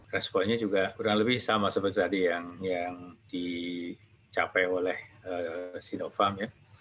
responnya juga kurang lebih sama seperti tadi yang dicapai oleh sinopharm